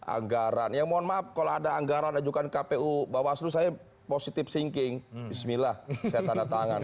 anggaran ya mohon maaf kalau ada anggaran ajukan kpu bawaslu saya positif thinking bismillah saya tanda tangan